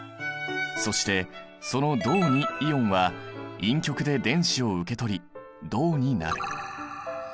そしてその銅イオンは陰極で電子を受け取り銅になる。